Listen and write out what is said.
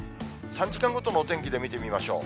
３時間ごとのお天気で見てみましょう。